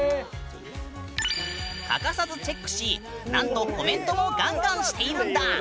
欠かさずチェックしなんとコメントもガンガンしているんだ！